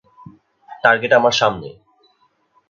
Target আমার সামনে।